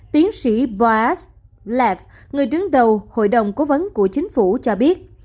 tiến sĩ boaz lev người đứng đầu hội đồng cố vấn của chính phủ cho biết